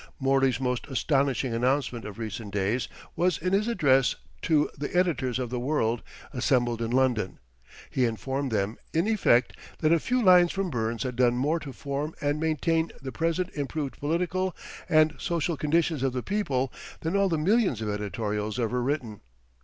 Morley's most astonishing announcement of recent days was in his address to the editors of the world, assembled in London. He informed them in effect that a few lines from Burns had done more to form and maintain the present improved political and social conditions of the people than all the millions of editorials ever written.